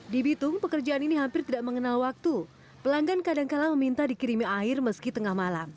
di bitung pekerjaan ini hampir tidak mengenal waktu pelanggan kadangkala meminta dikirimi air meski tengah malam